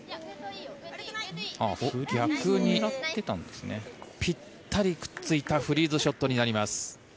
逆にぴったりくっついたフリーズショットになります。